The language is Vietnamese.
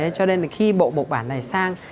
cho nên là khi bộ bộ bản này sang